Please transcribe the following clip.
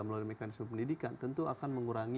melalui mekanisme pendidikan tentu akan mengurangi